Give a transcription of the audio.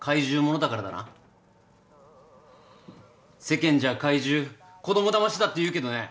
世間じゃ怪獣子供だましだって言うけどね